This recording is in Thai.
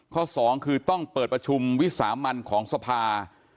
สองคือต้องเปิดประชุมวิสามันของสภา